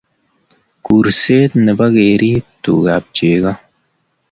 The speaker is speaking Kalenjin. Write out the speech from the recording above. kurset nebo keriib tugab cheko